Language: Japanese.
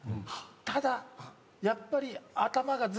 ただやっぱり。